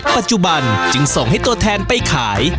ปัจจุบันจึงส่งให้ตัวแทนไปขาย